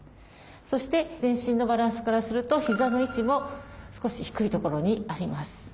そして全身のバランスからすると膝の位置も少し低いところにあります。